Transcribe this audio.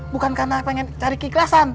bukan karena pengen cari keikhlasan